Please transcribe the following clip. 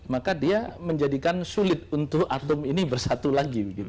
maka dia menjadikan sulit untuk atum ini bersatu lagi